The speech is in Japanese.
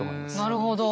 なるほど。